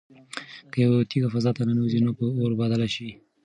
که یوه تیږه فضا ته ننوځي نو په اور بدله شي.